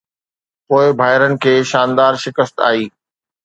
پوءِ ڀائرن کي ”شاندار“ شڪست آئي